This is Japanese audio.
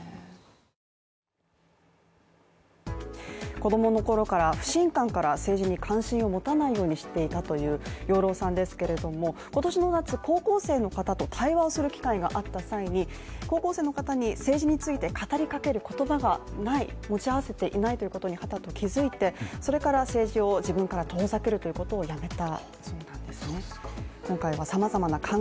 子供の頃から不信感から政治に関心を持たないようにしていたという養老さんですけれども、今年の夏、高校生の方と対話をする機会があった際に高校生の方に政治について語りかける言葉がない持ち合わせていないということにはたと気づいてそれから自分から止めさせるということを止めた。